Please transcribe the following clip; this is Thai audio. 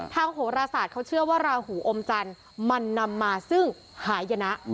โหรศาสตร์เขาเชื่อว่าราหูอมจันทร์มันนำมาซึ่งหายนะ